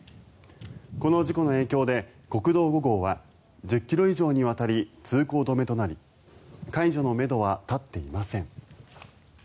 この事故の影響で国道５号は１０ｋｍ以上にわたり通行止めとなり解除のめどは立っていません。